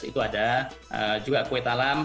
itu ada juga kue talam